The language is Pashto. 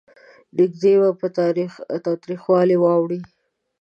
نږدې وه په تاوتریخوالي واوړي.